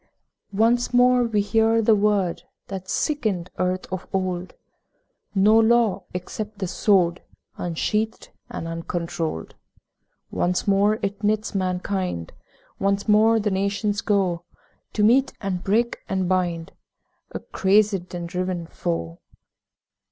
Once more we hear the word That sickened earth of old: 'No law except the Sword Unsheathed and uncontrolled.' Once more it knits mankind, Once more the nations go To meet and break and bind A crazed and driven foe.